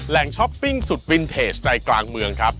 ช้อปปิ้งสุดวินเทจใจกลางเมืองครับ